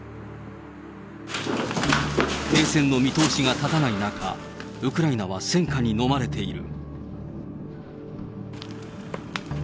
停戦の見通しが立たない中、ウクライナは戦火に飲まれている。